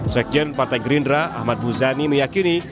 sekjen partai gerindra ahmad muzani meyakini